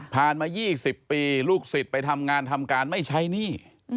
มา๒๐ปีลูกศิษย์ไปทำงานทำการไม่ใช้หนี้